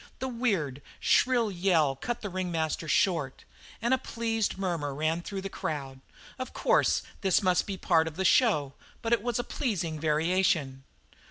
The weird, shrill yell cut the ringmaster short, and a pleased murmur ran through the crowd. Of course, this must be part of the show, but it was a pleasing variation.